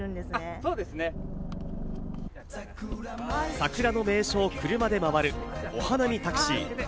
桜の名所を車で回る、お花見タクシー。